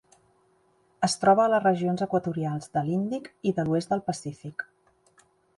Es troba a les regions equatorials de l'Índic i de l'oest del Pacífic.